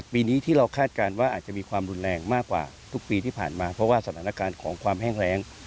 ปีนี้ที่เราคาดการณ์ว่าอาจจะมีความรุนแรงมากกว่าทุกปีที่ผ่านมาเพราะว่าสถานการณ์ของความแห้งแรง